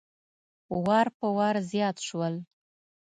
وار په وار زیات شول.